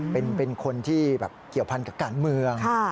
เป็นคนที่แบบเกี่ยวพันกับการเมือง